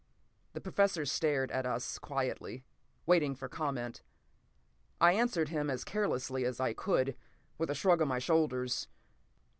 p> The Professor stared at us quietly, waiting for comment. I answered him, as carelessly as I could, with a shrug of my shoulders.